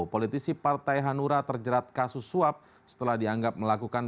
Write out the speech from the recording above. politisi partai hanura terjerat kasus suap setelah dianggap melakukan